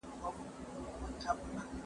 دوامداره هڅي د پرمختګ لامل ګرځي.